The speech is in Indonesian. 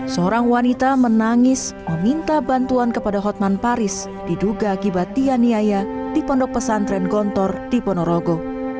seorang wanita menangis meminta bantuan kepada hotman paris diduga akibat dianiaya di pondok pesantren gontor di ponorogo